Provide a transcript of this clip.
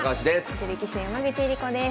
女流棋士の山口恵梨子です。